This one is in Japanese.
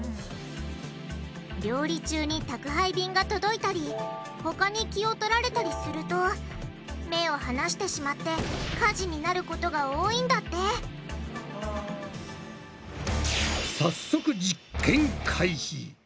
料理中に宅配便が届いたりほかに気をとられたりすると目を離してしまって火事になることが多いんだって早速実験開始！